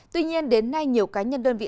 tuy nhiên đến nay nhiều cá nhân đơn vị